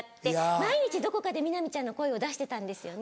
毎日どこかで南ちゃんの声を出してたんですよね。